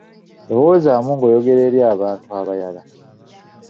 Lowoozaamu ng'oyogera eri abantu abayala!